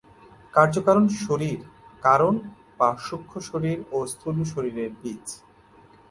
কার্যকারণ শরীর "কারণ বা সূক্ষ্ম শরীর ও স্থূল শরীরের" বীজ।